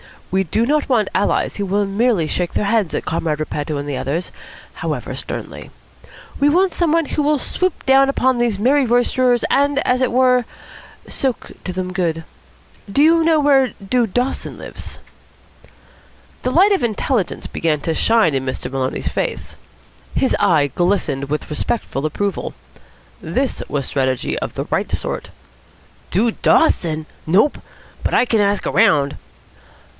We do not want allies who will merely shake their heads at Comrade Repetto and the others, however sternly. We want some one who will swoop down upon these merry roisterers, and, as it were, soak to them good. Do you know where Dude Dawson lives?" The light of intelligence began to shine in Master Maloney's face. His eye glistened with respectful approval. This was strategy of the right sort. "Dude Dawson? Nope. But I can ask around."